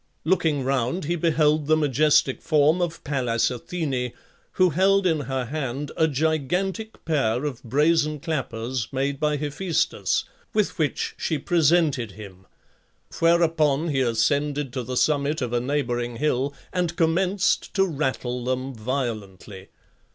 Looking round he beheld the majestic form of Pallas Athene, who held in her hand a gigantic pair of brazen clappers made by Hephæstus, with which she presented him; whereupon he ascended to the summit of a neighbouring hill, and commenced to rattle them violently.